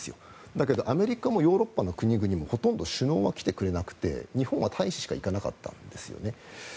だけど、アメリカもヨーロッパの国々もほとんど首脳は来てくれなくて日本は大使しか行かなかったんですよね。